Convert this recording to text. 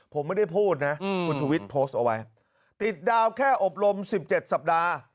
ผมไม่ได้พูดนะคุณชุวิตโพสต์เอาไว้ติดดาวแค่อบรม๑๗สัปดาห์